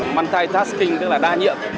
multi tasking tức là đa nhiệm